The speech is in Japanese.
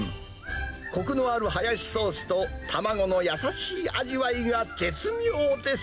こくのあるハヤシソースと、卵の優しい味わいが絶妙です。